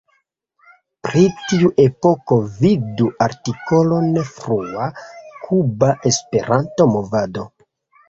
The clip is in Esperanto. Pri tiu epoko vidu artikolon Frua Kuba Esperanto-movado.